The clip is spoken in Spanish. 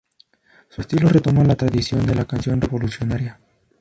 Su estilo retoma la tradición de la canción revolucionaria.